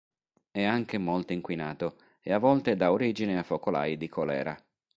È anche molto inquinato, e a volte dà origine a focolai di colera.